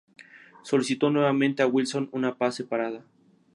Solicitó nuevamente a Wilson una paz separada.